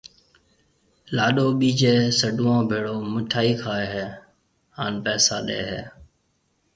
لاڏو ٻيجيَ سڊوئون ڀيڙو مِٺائِي کائيَ ھيَََ ھان پيسا ڏَي ھيََََ